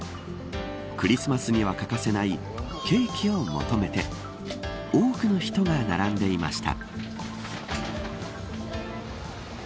クリスマスには欠かせないケーキを求めて多くの人が並んでいました。